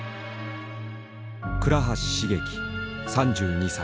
倉橋成樹３２歳。